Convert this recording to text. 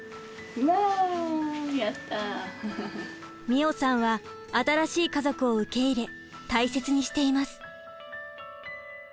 美桜さんは新しい家族を受け入れ大切にしています。